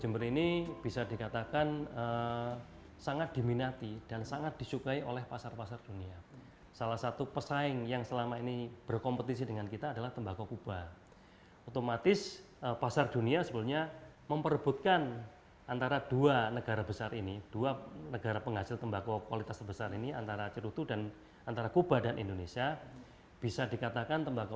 pertama kemungkinan tersebut adalah keuntungan